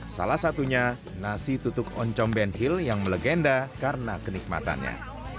salah satunya nasi tutuk oncom benhil yang melegenda karena kenikmatannya